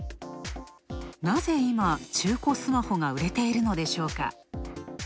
なぜ今、中古スマホが売れているのでしょうか。